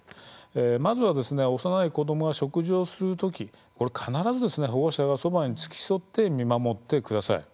まずは幼い子どもが食事をするとき必ず保護者がそばに付き添って見守ってください。